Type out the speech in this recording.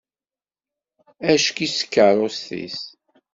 Acekk-itt tkerrust-is.